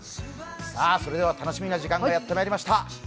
それでは楽しみな時間がやってきました。